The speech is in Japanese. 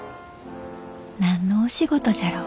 何のお仕事じゃろう。